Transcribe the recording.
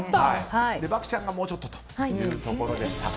漠ちゃんがもうちょっとというところでした。